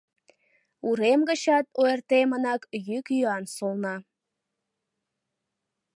Урем гычат ойыртемынак йӱк-йӱан солна.